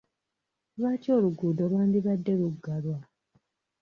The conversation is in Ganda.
Lwaki oluguudo lwandibadde luggalwa?